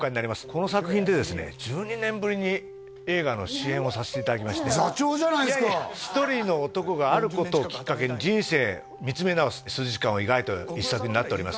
この作品でですね１２年ぶりに映画の主演をさせていただきまして座長じゃないですか１人の男があることをきっかけに人生を見つめ直す時間を描いた一作になっております